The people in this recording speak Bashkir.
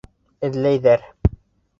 Эҙләйҙәр.